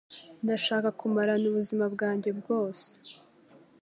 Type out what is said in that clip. Ndashaka kumarana ubuzima bwanjye bwose.